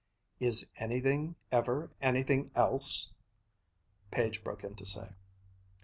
"Is anything ever anything else!" Page broke in to say.